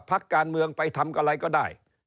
พักการเมืองไปทำอะไรก็ได้